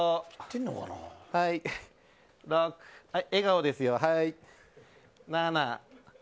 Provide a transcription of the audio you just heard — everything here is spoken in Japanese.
笑顔ですよ。